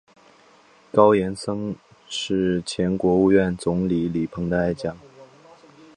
高严曾是前国务院总理李鹏的爱将。